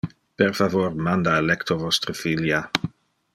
Per favor, manda a lecto vostre filia.